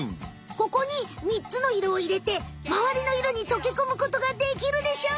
ここに３つの色をいれてまわりの色にとけこむことができるでしょうか？